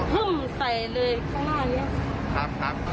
หึ้มใส่เลยข้างหน้านี้